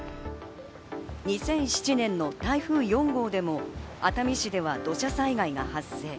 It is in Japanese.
２００７年の台風４号でも熱海市では土砂災害が発生。